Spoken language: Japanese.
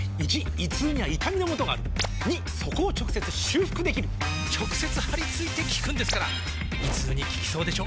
①胃痛には痛みのもとがある②そこを直接修復できる直接貼り付いて効くんですから胃痛に効きそうでしょ？